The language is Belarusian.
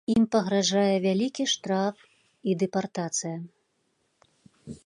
Ім пагражае вялікі штраф і дэпартацыя.